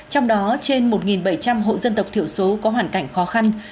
trong đó trên một bảy trăm linh hộ dân tộc thiểu số có hoàn cảnh khó khăn